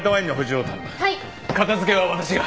片付けは私が。